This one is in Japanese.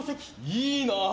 いいな。